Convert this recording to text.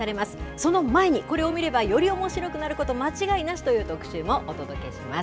その前に、これを見れば、よりおもしろくなること間違いなしという特集もお届けします。